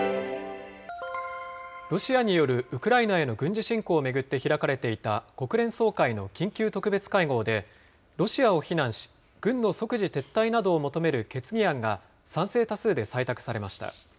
ロシアによるウクライナへの軍事侵攻を巡って開かれていた国連総会の緊急特別会合で、ロシアを非難し、軍の即時撤退などを求める決議案が、賛成多数で採択されました。